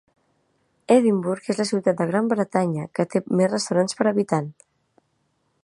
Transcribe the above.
Edimburg és la ciutat de Gran Bretanya que té més restaurants per habitant.